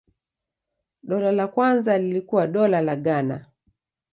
Dola la kwanza lilikuwa Dola la Ghana.